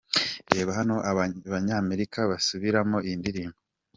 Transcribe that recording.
Reba hano aba banyamerika basubiramo iyi ndirimbo .